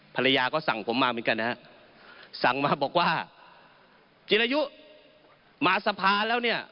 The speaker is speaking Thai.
ภรรยาก็สั่งผมมาเหมือนกันนะฮะสั่งมาบอกว่าจิรายุมาสภาแล้วเนี่ย